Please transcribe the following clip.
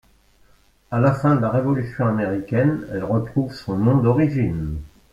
À la fin de la révolution américaine, elle retrouve son nom d'origine.